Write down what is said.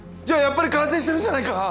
じゃあやっぱり感染してるじゃないか！